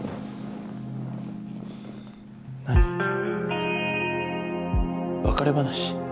何別れ話？